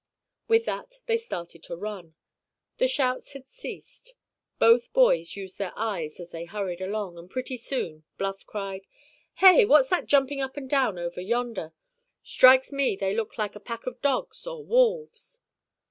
With that they started to run. The shouts had ceased. Both boys used their eyes as they hurried along, and pretty soon Bluff cried: "Hey, what's that jumping up and down over yonder? Strikes me they look like a pack of dogs or wolves!"